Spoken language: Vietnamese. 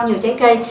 nhiều trái cây